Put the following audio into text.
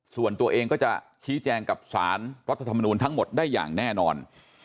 ส่วนตัวเองก็จะชี้แจงกับสารรัฐธรรมนูลทั้งหมดได้อย่างแน่นอน